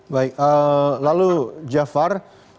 baik lalu jafar